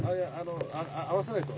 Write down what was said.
合わせないと。